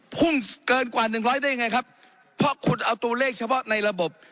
พุ่งเกินกว่าหนึ่งร้อยได้ยังไงครับเพราะคุณเอาตัวเลขเฉพาะในระบบ